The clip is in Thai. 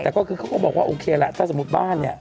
แต่ก็คือเขาก็บอกว่าโอเคล่ะถ้าสมมุติบ้านเนี่ย